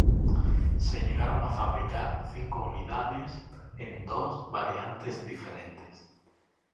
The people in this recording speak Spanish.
Se llegaron a fabricar cinco unidades en dos variantes diferentes.